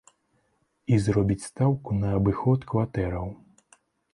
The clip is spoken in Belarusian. І зробіць стаўку на абыход кватэраў.